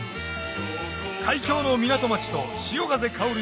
海峡の港町と潮風薫る